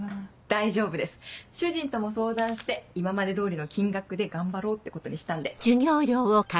大丈夫です主人とも相談して今まで通りの金額で頑張ろうってことにしたんで。